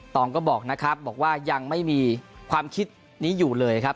องก็บอกนะครับบอกว่ายังไม่มีความคิดนี้อยู่เลยครับ